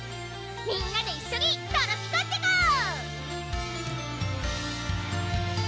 みんなで一緒にトロピカってこう！